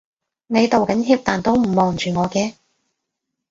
你道緊歉但都唔望住我嘅